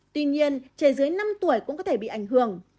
tuy nhiên trẻ dưới năm tuổi cũng có thể bị ảnh hưởng